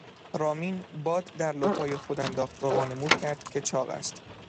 رامین باد در لپهای خود انداخت و وانمود کرد که چاق است.